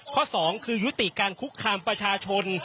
ข้อ๒คือยุติการคุกคามประชาชน